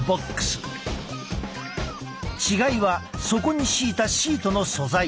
違いは底に敷いたシートの素材。